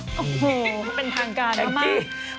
โอ้โหเป็นทางการมาก